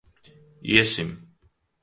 Iesim.